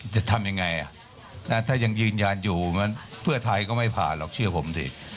จะทำยังไงถ้ายังยืนยันอยู่เพื่อไทยก็ไม่ผ่านหรอกเชื่อผมสิ